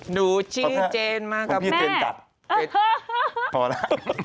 หนูชื่อเจนมากับแม่เค้าเธอโอเค